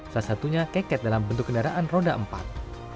salah satunya keket dalam bentuk kendaraan roda empat